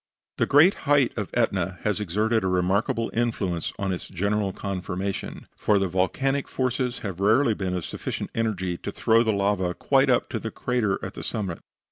The great height of Etna has exerted a remarkable influence on its general conformation: for the volcanic forces have rarely been of sufficient energy to throw the lava quite up to the crater at the summit.